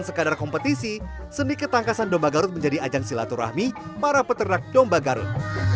sekadar kompetisi seni ketangkasan domba garut menjadi ajang silaturahmi para peternak domba garut